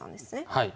はい。